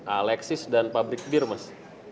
alexis dan pabrik bir mas